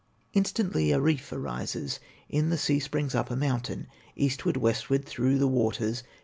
Instantly a reef arises, In the sea springs up a mountain, Eastward, westward, through the waters.